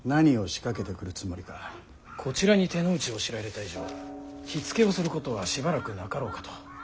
こちらに手の内を知られた以上火付けをすることはしばらくなかろうかと。